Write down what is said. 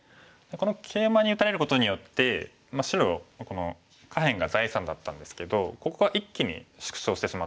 このケイマに打たれることによって白この下辺が財産だったんですけどここが一気に縮小してしまったんですね。